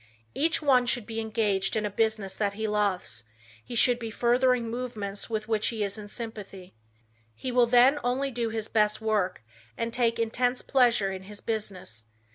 Each one should be engaged in a business that he loves; he should be furthering movements with which he is in sympathy. He will then only do his best work and take intense pleasure in his business.